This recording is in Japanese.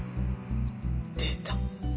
出た。